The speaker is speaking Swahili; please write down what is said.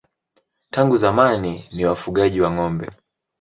Tangu zamani ni wafugaji wa ng'ombe.